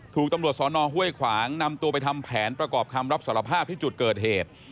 ถูกตำรวจสอนอห้วยขวางนำตัวไปทำแผนประกอบคำรับสารภาพที่จุดเกิดเหตุ